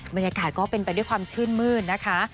บรรยากาศก็เป็นไปด้วยความชื่นมืดนะคะ